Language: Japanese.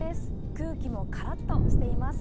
空気もカラッとしています。